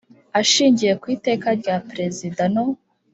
Ashingiye ku Iteka rya Perezida no